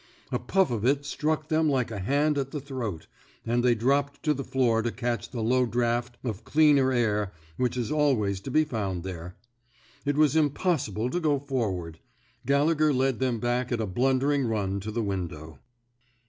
A puff of it struck them like a hand at the throat, and they dropped to the floor to catch the low draft of cleaner air which is always to be found there. It was impossible to go forward. Gallegher led them back at a blun dering run to the window.